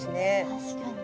確かに。